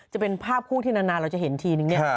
จะเป็นภาพคู่ที่นานเราจะเห็นทีนึงเนี่ย